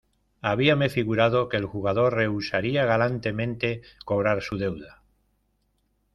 habíame figurado que el jugador rehusaría galantemente cobrar su deuda